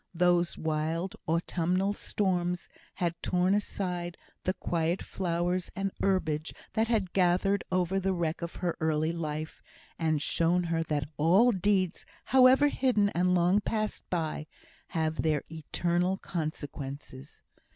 Those wild autumnal storms had torn aside the quiet flowers and herbage that had gathered over the wreck of her early life, and shown her that all deeds, however hidden and long passed by, have their eternal consequences.